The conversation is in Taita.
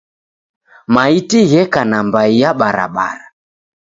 Maiti gheka nambai ya barabara.